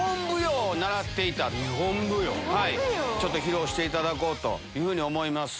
日本舞踊⁉披露していただこうと思います。